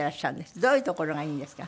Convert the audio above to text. どういうところがいいんですか？